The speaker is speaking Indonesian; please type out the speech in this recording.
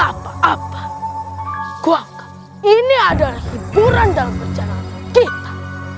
aku menganggap ini adalah hiburan dalam perjalanan kita